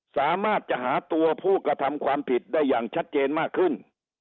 สามารถจะหาตัวผู้กระทำความผิดได้อย่างชัดเจนมากขึ้น